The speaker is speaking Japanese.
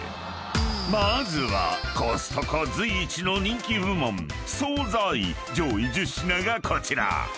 ［まずはコストコ随一の人気部門惣菜上位１０品がこちら］